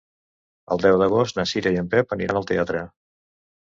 El deu d'agost na Cira i en Pep aniran al teatre.